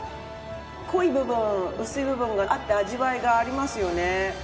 濃い部分薄い部分があって味わいがありますよね。